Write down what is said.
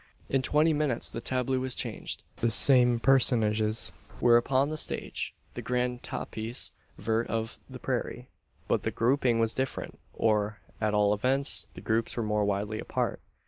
In twenty minutes the tableau was changed. The same personages were upon the stage the grand tapis vert of the prairie but the grouping was different, or, at all events, the groups were more widely apart.